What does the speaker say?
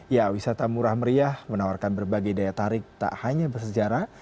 ya wisata murah meriah menawarkan berbagai daya tarik tak hanya bersejarah